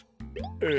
え。